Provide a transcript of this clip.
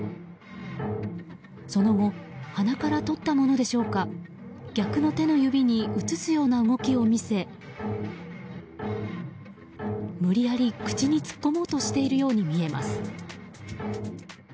その後鼻からとったものでしょうか逆の手の指に移すような動きを見せ無理やり、口に突っ込もうとしているように見えます。